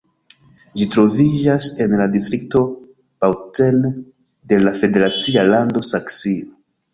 Ĝi troviĝas en la distrikto Bautzen de la federacia lando Saksio.